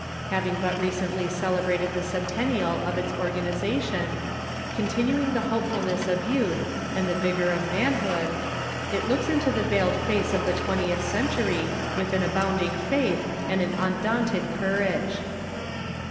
Having but recently celebrated the centennial of its organiza tion, continuing the hopefulness of youth and the vigor of manhood, it looks into the veiled face of the twentieth cen tury with an abounding faith and an undaunted courage.